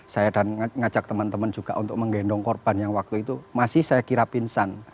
saya dan ngajak teman teman juga untuk menggendong korban yang waktu itu masih saya kira pinsan